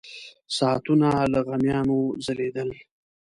ساعتونه له غمیانو ځلېدل.